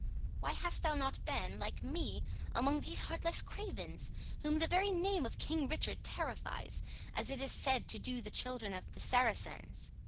Why hast thou not been, like me, among these heartless cravens, whom the very name of King Richard terrifies, as it is said to do the children of the Saracens?"